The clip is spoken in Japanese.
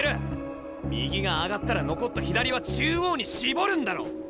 右が上がったら残った左は中央に絞るんだろ！